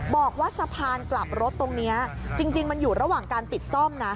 บอกว่าสะพานกลับรถจริงอยู่ระหว่างการปิดซ่อม